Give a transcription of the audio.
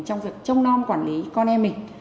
trong việc trông non quản lý con em mình